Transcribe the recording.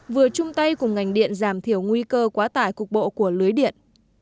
vừa chung tay cùng ngành điện giảm thiểu nguy cơ quá tải cục bộ của lưới điện